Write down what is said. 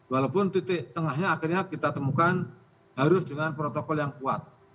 walaupun titik tengahnya akhirnya kita temukan harus dengan protokol yang kuat